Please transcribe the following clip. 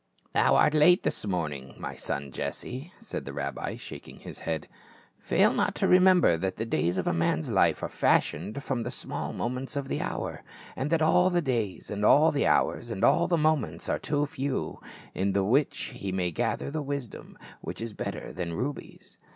" Thou art late this morning, my son Jesse," said the rabbi, shaking his head. " Fail not to remember that the days of a man's life are fashioned from the small moments of the hour ; and that all the days and all the hours and all the moments are too few in the which he may gather that wisdom which is better than rubies."